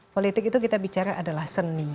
politik itu kita bicara adalah seni